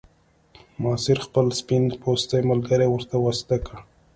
ماسیر خپل سپین پوستی ملګری ورته واسطه کړ.